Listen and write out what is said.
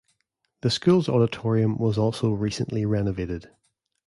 The school's auditorium was also recently renovated.